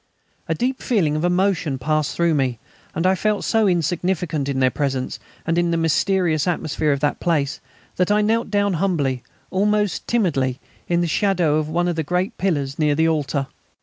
A deep feeling of emotion passed through me, and I felt so insignificant in their presence and in the mysterious atmosphere of the place that I knelt down humbly, almost timidly, in the shadow of one of the great pillars near the altar.